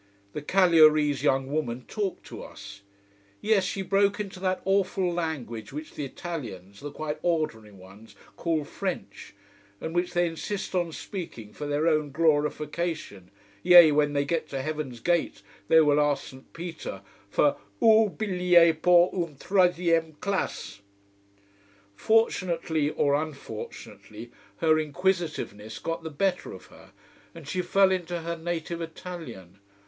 The Cagliarese young woman talked to us. Yes, she broke into that awful language which the Italians the quite ordinary ones call French, and which they insist on speaking for their own glorification: yea, when they get to heaven's gate they will ask St. Peter for: "OOn bigliay pour ung trozzième classe." Fortunately or unfortunately her inquisitiveness got the better of her, and she fell into her native Italian.